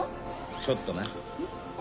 ちょっとな。